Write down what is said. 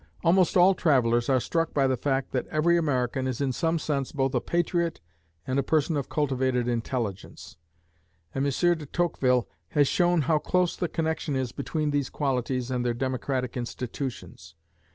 Almost all travelers are struck by the fact that every American is in some sense both a patriot and a person of cultivated intelligence; and M. de Tocqueville has shown how close the connection is between these qualities and their democratic institutions.